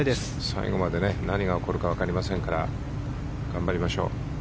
最後まで何が起こるかわかりませんから頑張りましょう。